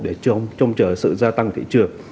để trông chờ sự gia tăng thị trường